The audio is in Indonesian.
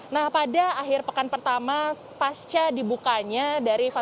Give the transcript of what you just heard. nah pada akhir pekan pertama pasca dibukanya dari fase